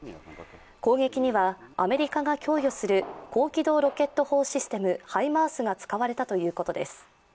攻撃には、アメリカが供与する高機動ロケット砲システム・ハイマースが使われたということです。